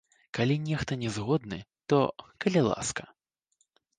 Калі нехта не згодны, то, калі ласка.